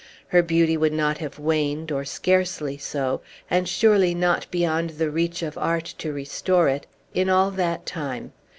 Her beauty would not have waned or scarcely so, and surely not beyond the reach of art to restore it in all that time.